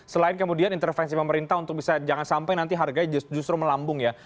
selain kemudian intervensi pemerintah untuk bisa jangan sampai nanti harganya justru melambung ya